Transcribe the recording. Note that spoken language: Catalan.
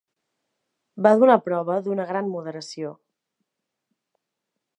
Va donar prova d'una gran moderació.